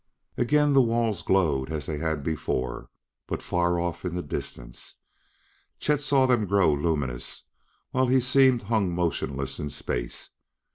Again the walls glowed as they had before, but far off in the distance. Chet saw them grow luminous while he seemed hung motionless in space.